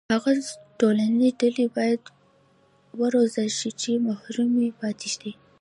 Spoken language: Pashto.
هغه ټولنیزې ډلې باید وروزل شي چې محرومې پاتې دي.